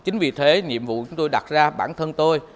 chính vì thế nhiệm vụ chúng tôi đặt ra bản thân tôi